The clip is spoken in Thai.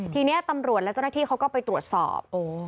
ทีนี้ตำรวจและเจ้าหน้าที่เขาก็ไปตรวจสอบ